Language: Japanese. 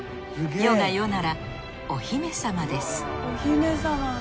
世が世ならお姫様です